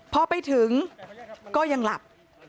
พอไปถึงก็ยังหลับ